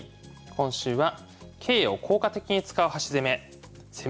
今週は「桂を効果的に使う端攻め」。